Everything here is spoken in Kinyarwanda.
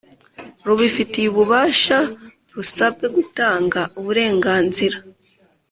Rubifitiye ububasha rusabwe gutanga uburenganzira